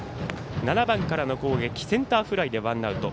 ７番からの攻撃センターフライでワンアウト。